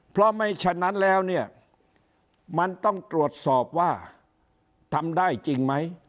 เพราะไม่ฉะนั้นแล้วเนี่ยมันต้องตรวจสอบว่าทำได้จริงไหม